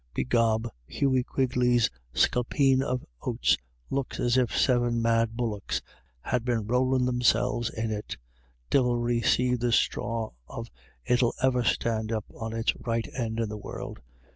" Begob, Hughey Quigley's scrapeen of oats looks as if seven mad bullocks had been rowlin' them selves in it. Divil recaive the straw of it'll ever stand up on its right end in this world.